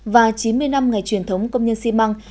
và chín mươi năm ngày truyền thống công nhân xi măng